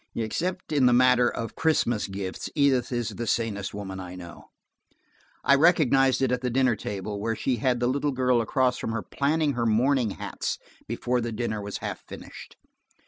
Except in the matter of Christmas gifts, Edith is the sanest woman I know; I recognized it at the dinner table, where she had the little girl across from her planning her mourning hats before the dinner was half finished.